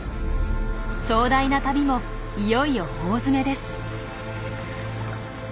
壮大な旅もいよいよ大詰めです。